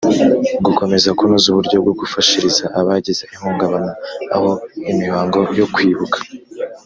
gukomeza kunoza uburyo bwo gufashiriza abagize ihungabana aho imihango yo kwibuka